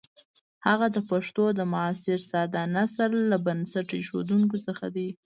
هغه د پښتو د معاصر ساده نثر له بنسټ ایښودونکو څخه دی.